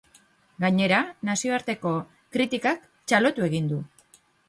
Gainera, nazioarteko kritikak txalotu egin du.